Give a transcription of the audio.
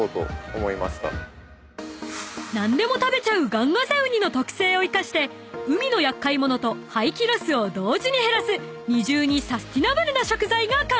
［何でも食べちゃうガンガゼウニの特性を生かして海の厄介者と廃棄ロスを同時に減らす二重にサスティナブルな食材が完成］